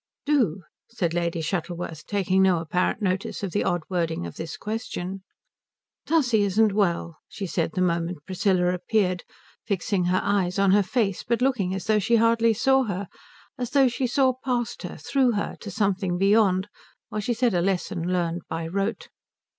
"Do," said Lady Shuttleworth, taking no apparent notice of the odd wording of this question. "Tussie isn't well," she said the moment Priscilla appeared, fixing her eyes on her face but looking as though she hardly saw her, as though she saw past her, through her, to something beyond, while she said a lesson learned by rote.